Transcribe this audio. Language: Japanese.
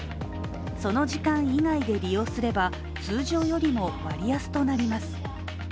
その時間以外で利用すれば通常よりも割安となります。